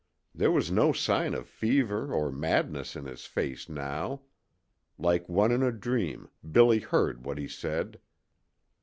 There was no sign of fever or madness in his face now. Like one in a dream Billy heard what he said.